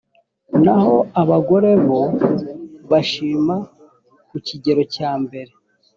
naho abagore bo bashima ku kigero cya mbere